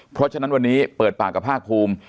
เพราะฉะนั้นวันนี้เปิดปากกับภาคภูมิ